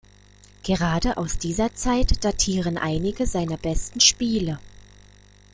Gerade aus dieser Zeit datieren einige seiner besten Spiele.